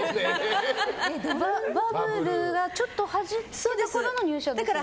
バブルがちょっと始まったころの入社ですよね。